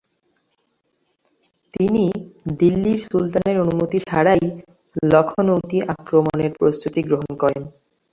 তিনি দিল্লীর সুলতানের অনুমতি ছাড়াই লখনৌতি আক্রমনের প্রস্ত্ততি গ্রহণ করেন।